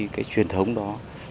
truyền thống đó